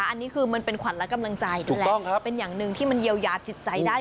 อันนี้คือมันเป็นขวัญและกำลังใจนั่นแหละเป็นอย่างหนึ่งที่มันเยียวยาจิตใจได้